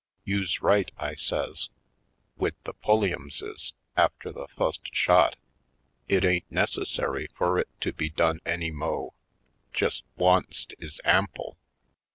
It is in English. "You's right!" I says. "Wid the Pulliam ses, after the fust shot, it ain't necessary fur it to be done any mo' — jest once't is ample!